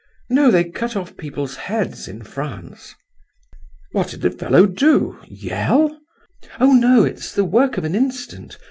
"No, they cut off people's heads in France." "What did the fellow do?—yell?" "Oh no—it's the work of an instant.